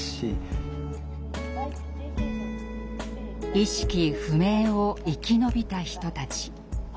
「意識不明」を生きのびた人たち。